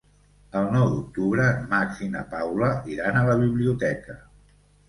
El nou d'octubre en Max i na Paula iran a la biblioteca.